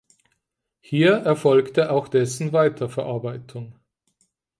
Hier erfolgte auch dessen Weiterverarbeitung.